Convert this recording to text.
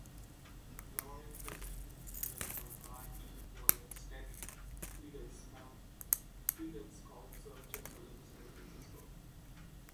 Lawrence received his medal from Carl E. Wallerstedt, Sweden's Consul General in San Francisco.